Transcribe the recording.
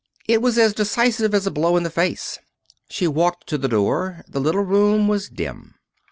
It was as decisive as a blow in the face. She walked to the door. The little room was dim.